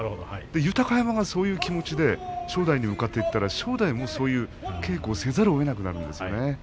豊山が、そういう気持ちで正代に向かっていったら正代もそういう稽古をせざるをえなくなったんですね